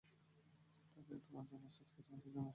তাকে তোমার জন্য সেট করছি, আমাদের জন্য এটা সেট করা উচিত?